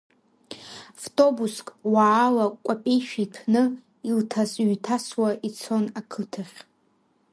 Втобуск, уаала кәапеишәа иҭәны, илҭас-ҩҭасуа ицон ақыҭахь…